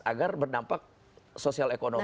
agar berdampak sosial ekonominya